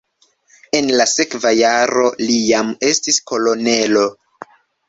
En la sekva jaro li jam estis kolonelo.